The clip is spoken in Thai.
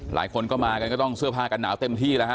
หลายคนก็มากันก็ต้องเสื้อผ้ากันหนาวเต็มที่แล้วฮ